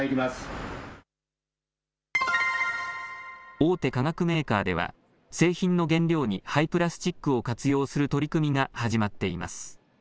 大手化学メーカーでは製品の原料に廃プラスチックを活用する取り組みが始まっています。